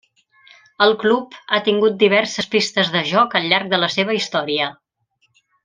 El club ha tingut diverses pistes de joc al llarg de la seva història.